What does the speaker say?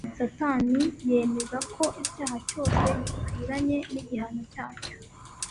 Satani yemeza ko icyaha cyose gikwiranye n'igihano cyacyo;